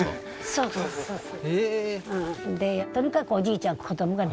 そうそうそうそう